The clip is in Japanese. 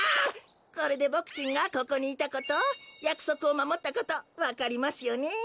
これでボクちんがここにいたことやくそくをまもったことわかりますよね。